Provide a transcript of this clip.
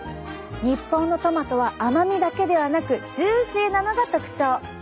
日本のトマトは甘みだけではなくジューシーなのが特徴！